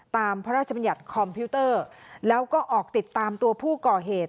พระราชบัญญัติคอมพิวเตอร์แล้วก็ออกติดตามตัวผู้ก่อเหตุ